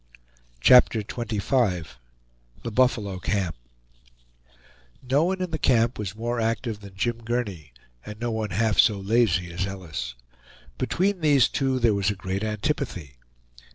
CHAPTER XXV THE BUFFALO CAMP No one in the camp was more active than Jim Gurney, and no one half so lazy as Ellis. Between these two there was a great antipathy.